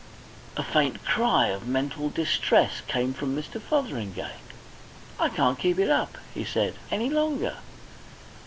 A faint cry of mental distress came from Mr. Fotheringay. "I can't keep it up," he said, "any longer."